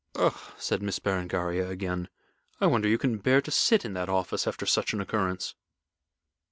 "Ugh!" said Miss Berengaria, again. "I wonder you can bear to sit in that office after such an occurrence."